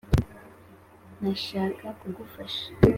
nashaka kugufasha